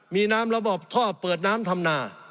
มีน้ำระบบท่อเปิดน้ำทำนา